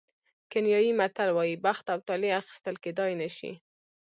کینیايي متل وایي بخت او طالع اخیستل کېدای نه شي.